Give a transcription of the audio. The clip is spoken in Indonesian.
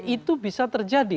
itu bisa terjadi